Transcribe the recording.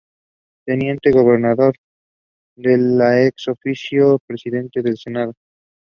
A cornice supported by brackets runs above the second story of either house.